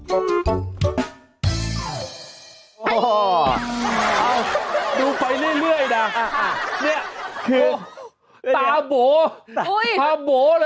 โอ้ดูเวลาเรื่อยน่ะอ่าเนี้ยคือตาบ๋า